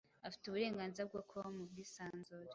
afite uburenganzira bwo kubaho mu bwisanzure